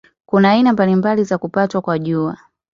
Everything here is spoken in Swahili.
Kuna aina mbalimbali za kupatwa kwa Jua.